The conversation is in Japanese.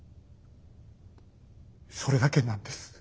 それだけなんです。